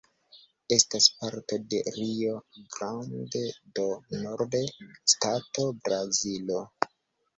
Estas parto de Rio Grande do Norte stato, Brazilo.